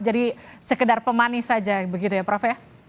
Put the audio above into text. jadi sekedar pemanis saja begitu ya prof ya